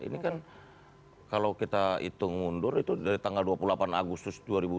ini kan kalau kita hitung mundur itu dari tanggal dua puluh delapan agustus dua ribu dua puluh